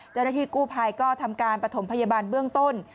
เจ้าหน้าที่กู้ภัยก็ทำการปฐมพยาบาลเบื้องต้น